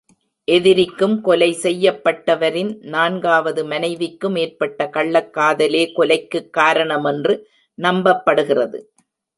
எதிரிக்கும் கொலை செய்யப்பட்டவரின் நான்காவது மனைவிக்கும் ஏற்பட்ட கள்ளக் காதலே கொலைக்குக் காரணமென்று நம்பப்படுகிறது.